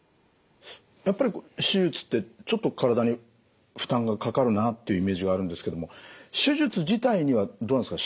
やっぱり手術ってちょっと体に負担がかかるなっていうイメージがあるんですけども手術自体にはどうなんですか？